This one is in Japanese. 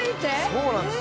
そうなんです。